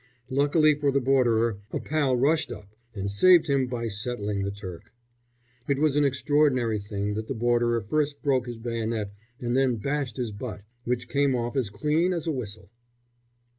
Luckily for the Borderer a pal rushed up and saved him by settling the Turk. It was an extraordinary thing that the Borderer first broke his bayonet and then bashed his butt, which came off as clean as a whistle.